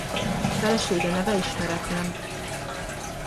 Felesége neve ismeretlen.